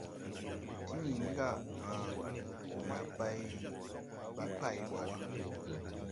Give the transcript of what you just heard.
Timini: « Aã, naa bay ɓi pay ɓɔ wa. ».